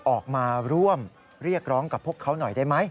ออกมาร่วมเรียกร้องกับพวกเขาหน่อยได้ไหม